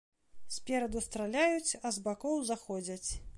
Спераду страляюць, а з бакоў заходзяць.